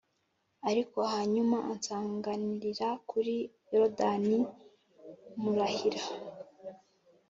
Ariko hanyuma ansanganirira kuri yorodani murahira